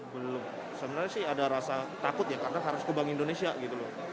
belum sebenarnya sih ada rasa takut ya karena harus ke bank indonesia gitu loh